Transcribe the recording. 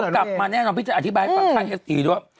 เดี๋ยวกลับมาแน่นอนพี่จะอธิบายภาคไทยสติด้วย